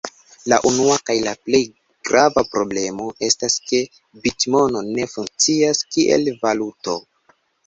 La unua kaj plej grava problemo estas ke bitmono ne funkcias kiel valuto.